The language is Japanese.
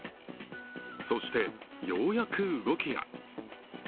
そして、ようやく動きが。